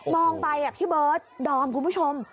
องไปพี่เบิร์ดดอมคุณผู้ชม